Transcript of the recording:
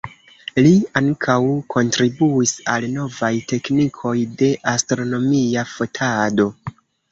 Li ankaŭ kontribuis al novaj teknikoj de astronomia fotado.